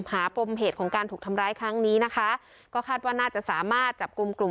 ปมเหตุของการถูกทำร้ายครั้งนี้นะคะก็คาดว่าน่าจะสามารถจับกลุ่มกลุ่ม